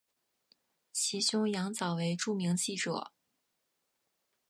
其兄羊枣为著名记者。